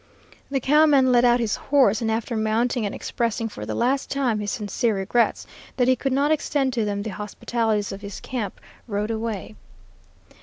The cowman led out his horse, and after mounting and expressing for the last time his sincere regrets that he could not extend to them the hospitalities of his camp, rode away.